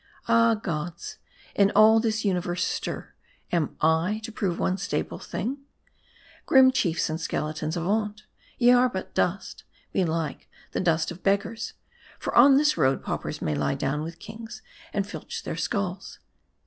Ah gods ! in all this universal stir, am J to prove one stable thing ?" Grim chiefs in skeletons, avaunt ! Ye are but dust ; belike the dust of beggars ; for on this bed, paupers may lie down with kings, and filch their skulls.